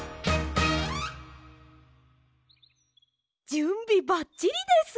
じゅんびばっちりです！